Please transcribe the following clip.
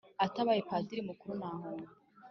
atabaye padiri mukuru nahomba”